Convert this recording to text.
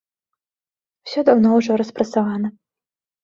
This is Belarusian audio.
Усё даўно ўжо распрацавана.